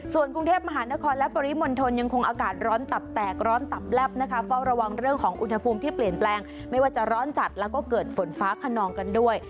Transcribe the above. ส่วนกรุงเทพมหานครและปริมณฑลยังคงอากาศร้อนตับแตกร้อนตับแลบนะคะเฝ้าระวังเรื่องของอุณหภูมิที่เปลี่ยนแปลงไม่ว่าจะร้อนจัดแล้วก็เกิดฝนฟ้าขนองกันด้วย